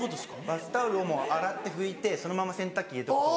バスタオルを洗って拭いてそのまま洗濯機入れとくと。